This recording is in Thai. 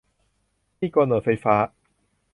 มีดโกนหนวดไฟฟ้า